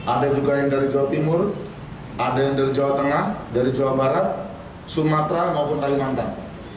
ada juga yang dari jawa timur ada yang dari jawa tengah dari jawa barat sumatera maupun kalimantan